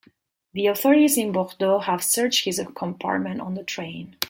The authorities in Bordeaux have searched his compartment on the train.